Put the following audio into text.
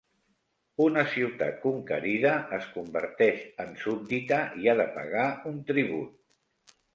Una ciutat conquerida es converteix en súbdita i ha de pagar un tribut.